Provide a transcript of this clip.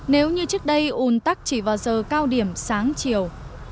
nếu như trước đây un tắc chỉ vào giờ cao điểm sáng chiều